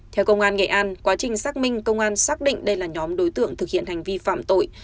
theo công an nghệ an quá trình xác minh công an xác định đây là nhóm đối tượng thực hiện hành vi phạm tội